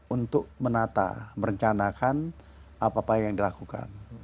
untuk menata merencanakan apa apa yang dilakukan